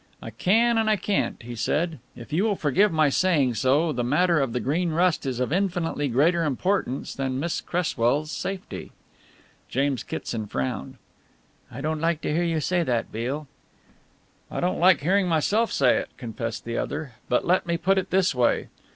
"I can and I can't," he said. "If you will forgive my saying so, the matter of the Green Rust is of infinitely greater importance than Miss Cresswell's safety." James Kitson frowned. "I don't like to hear you say that, Beale." "I don't like hearing myself say it," confessed the other, "but let me put it this way.